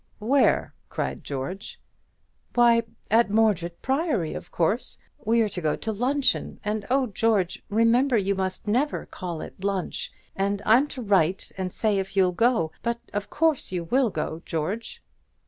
"Where?" cried George. "Why, at Mordred Priory, of course. We're to go to luncheon: and, oh, George, remember you must never call it 'lunch.' And I'm to write and say if you'll go; but of course you will go, George."